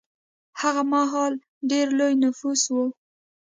هغه مهال ډېر لوی نفوس و.